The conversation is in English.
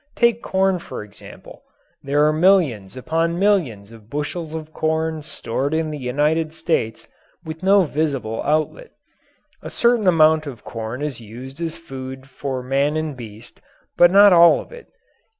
Take corn, for example. There are millions upon millions of bushels of corn stored in the United States with no visible outlet. A certain amount of corn is used as food for man and beast, but not all of it.